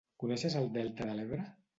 Coneixes el delta de l'Ebre?